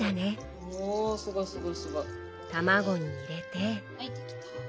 卵に入れて。